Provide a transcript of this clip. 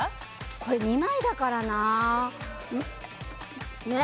これ２枚だからなあえ